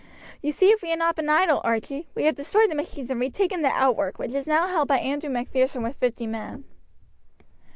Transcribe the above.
"You see we have not been idle, Archie. We have destroyed the machines, and retaken the outwork, which is now held by Andrew Macpherson with fifty men."